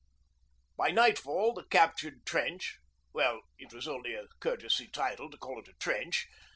By nightfall the captured trench well, it was only a courtesy title to call it a trench.